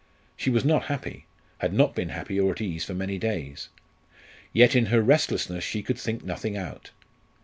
She was not happy had not been happy or at ease for many days. Yet in her restlessness she could think nothing out.